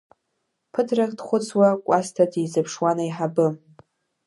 Ԥыҭрак дхәыцуа Кәасҭа дизԥшуан аиҳабы.